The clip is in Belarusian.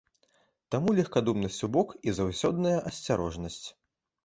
Таму легкадумнасць убок і заўсёдная асцярожнасць!